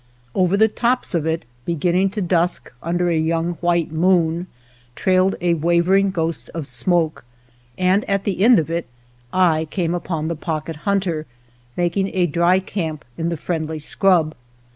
Over the tops of it, be ginning to dusk under a young white moon, trailed a wavering ghost of smoke, and at the end of it I came upon the Pocket Hunter making a dry camp in the friendly scrub.